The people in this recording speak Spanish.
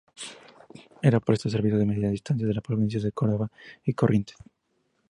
Ersa presta servicio de Media Distancia en las Provincias de Córdoba y Corrientes.